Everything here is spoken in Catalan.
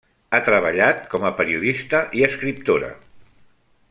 Ha treballat com a periodista i escriptora.